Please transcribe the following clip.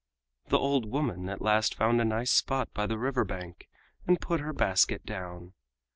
The old woman at last found a nice spot by the river bank and put her basket down.